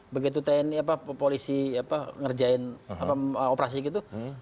begitu tni apa polisi ngerjain operasi gitu